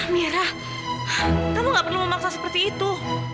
mira kamu nggak perlu memaksa seperti itu